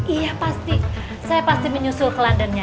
iya pasti saya pasti menyusul ke landernya ya